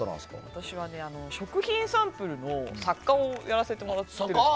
私はね、食品サンプルの作家をやらせてもらってるんです。